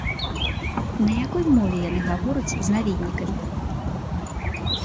На якой мове яны гавораць з наведнікамі?